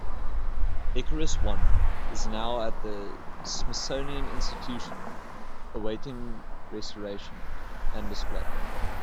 Icarus I is now at the Smithsonian Institution awaiting restoration and display.